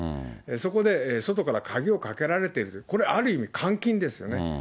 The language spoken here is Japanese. そこで外から鍵をかけられている、これ、ある意味監禁ですよね。